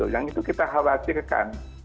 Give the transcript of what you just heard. yang itu kita khawatirkan